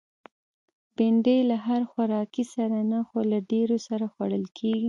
بېنډۍ له هر خوراکي سره نه، خو له ډېرو سره خوړل کېږي